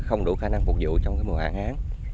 không đủ khả năng phục vụ trong mùa hạn hán